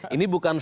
ini bukan berarti